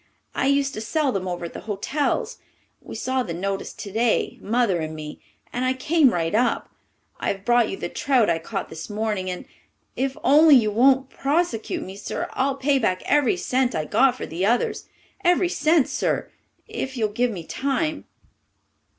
I used to sell them over at the hotels. We saw the notice today, Mother and me, and I came right up. I've brought you the trout I caught this morning, and if only you won't prosecute me, sir, I'll pay back every cent I got for the others every cent, sir if you'll give me time."